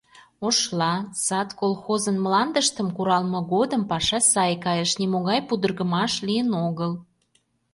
«Ошла», «Сад» колхозын мландыштым куралме годым паша сай кайыш, нимогай пудыргымаш лийын огыл.